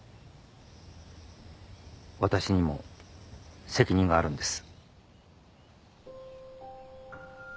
私にも責任があるんです。